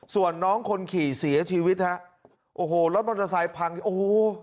ส่วนน้องคนขี่เสียชีวิตฮะโอ้โหรถมอเตอร์ไซค์พังโอ้โห